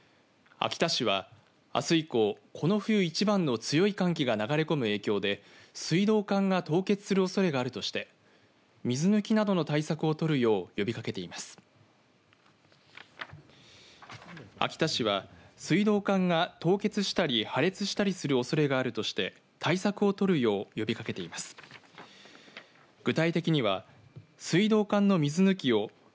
秋田市はあす以降この冬一番の強い寒気が流れ込む影響で水道管が凍結するおそれがあるとして水抜きなどの対策を取るよう呼びかけています。